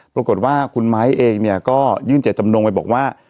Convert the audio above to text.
ปรากฏว่าคุณมายเองก็ยื่นเจจำนงไปบอกว่า